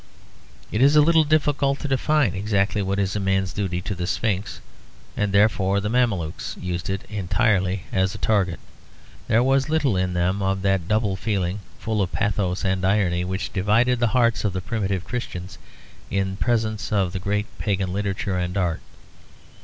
It is a little difficult to define exactly what is a man's duty to the Sphinx; and therefore the Mamelukes used it entirely as a target. There was little in them of that double feeling, full of pathos and irony, which divided the hearts of the primitive Christians in presence of the great pagan literature and art.